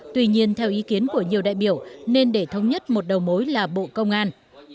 tuy nhiên theo ý kiến của nhiều đại biểu nên để thống nhất một đầu mối là bộ công an